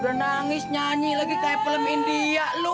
udah nangis nyanyi lagi kayak film india lo